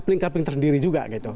pelingkap yang tersendiri juga